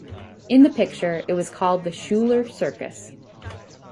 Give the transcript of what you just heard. In the picture, it was called the "Schuler" circus.